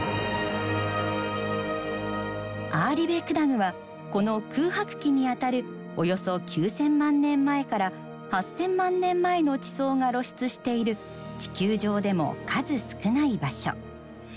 アーリベクダグはこの空白期にあたるおよそ９，０００万年前から８，０００万年前の地層が露出している地球上でも数少ない場所。